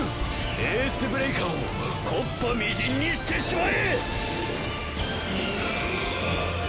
エースブレイカーを木っ端微塵にしてしまえ！